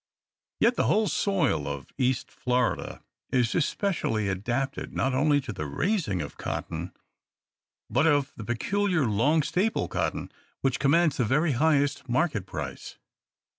Yet the whole soil of East Florida is especially adapted not only to the raising of cotton, but of the peculiar, long staple cotton which commands the very highest market price.